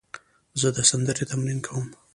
زه د سندرې تمرین کوم.